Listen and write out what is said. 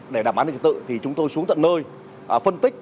để đảm bảo an ninh trật tự thì chúng tôi xuống tận nơi phân tích